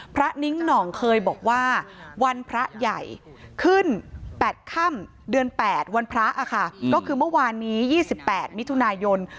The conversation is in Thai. นิ้งหน่องเคยบอกว่าวันพระใหญ่ขึ้น๘ค่ำเดือน๘วันพระค่ะก็คือเมื่อวานนี้๒๘มิถุนายน